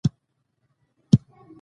د هغې کار ډېر حیرانوونکی دی.